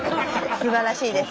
すばらしいです。